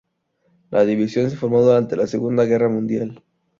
La división se formó durante la Segunda Guerra Mundial.